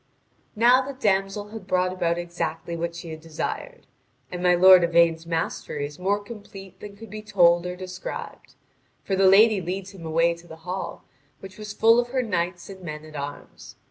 (Vv. 2049 2328.) Now the damsel has brought about exactly what she had desired. And my lord Yvain's mastery is more complete than could be told or described; for the lady leads him away to the hall, which was full of her knights and men at arms.